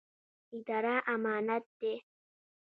اداره امانت دی